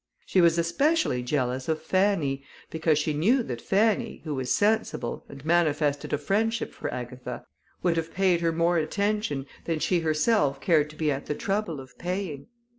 She was especially jealous of Fanny, because she knew that Fanny, who was sensible, and manifested a friendship for Agatha, would have paid her more attention than she herself cared to be at the trouble of paying.